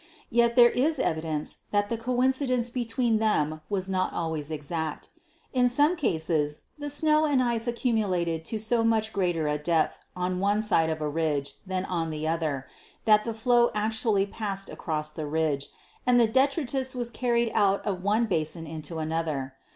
Yet there is evidence that the coincidence between them was not always exact. In some cases the snow and ice accumulated to* so much greater a depth on one side of a ridge than on the other that* the flow actually passed across the ridge, and detritus was carried out of one basin into another.